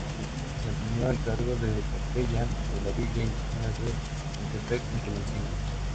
Desempeñó el cargo de capellán de la Villa Indígena de Metepec en Tulancingo.